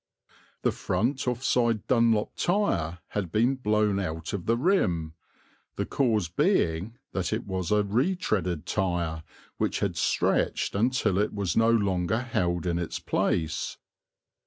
The front off side Dunlop tire had been blown out of the rim, the cause being that it was a "retreaded" tire which had stretched until it was no longer held in its place.